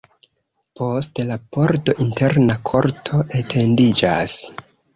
Post la pordo interna korto etendiĝas.